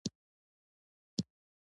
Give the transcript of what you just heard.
ښځه جامې مینځي.